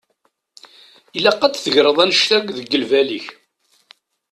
Ilaq ad tegreḍ annect-a g lbal-ik.